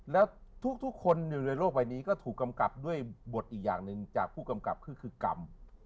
แล้วทุกคนอยู่ในโลกใบนี้ก็ถูกกำกับด้วยบทอีกอย่างหนึ่งจากผู้กำกับคือกรรม